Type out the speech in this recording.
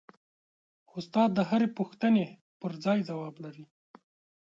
استاد د هرې پوښتنې پرځای ځواب لري.